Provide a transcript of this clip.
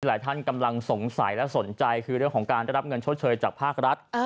หลายท่านกำลังสงสัยและสนใจคือเรื่องของการได้รับเงินชดเชยจากภาครัฐ